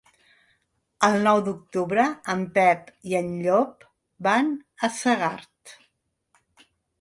El nou d'octubre en Pep i en Llop van a Segart.